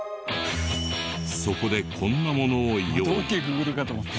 そこでこんなものを用意。